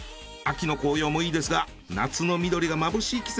秋の紅葉もいいですが夏の緑がまぶしい